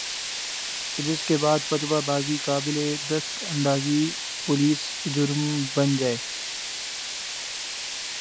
کہ جس کے بعد فتویٰ بازی قابلِ دست اندازیِ پولیس جرم بن جائے